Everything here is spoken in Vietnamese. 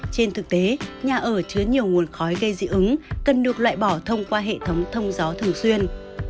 trên thực tế nhà ở chứa nhiều nguồn khói gây dị ứng cần được loại bỏ thông qua hệ thống thông gió thường xuyên